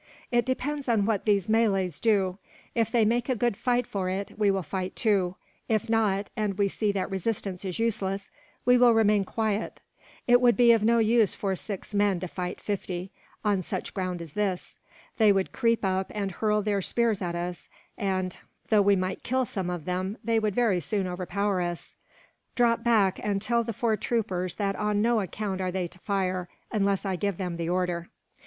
"It depends on what these Malays do. If they make a good fight for it, we will fight, too; if not, and we see that resistance is useless, we will remain quiet. It would be of no use for six men to fight fifty, on such ground as this. They would creep up and hurl their spears at us and, though we might kill some of them, they would very soon overpower us. "Drop back, and tell the four troopers that on no account are they to fire, unless I give them the order."